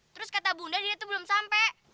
terus kata bunda dia tuh belum sampe